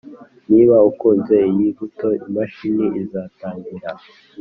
niba ukanze iyi buto, imashini izatangira.